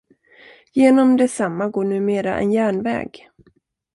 Genom detsamma går numera en järnväg.